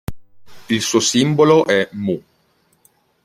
Il suo simbolo è µ.